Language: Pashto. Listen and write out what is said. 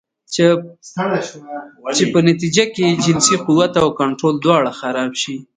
چې پۀ نتيجه کښې ئې جنسي قوت او کنټرول دواړه خراب شي